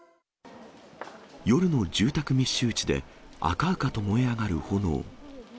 夜の住宅密集地で赤々と燃え上がる炎。